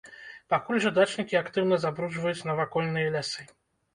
Пакуль жа дачнікі актыўна забруджваюць навакольныя лясы.